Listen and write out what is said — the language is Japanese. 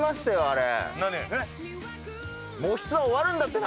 あれ？